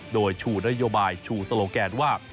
โดยชูนโยบายชูสโลแกนว่า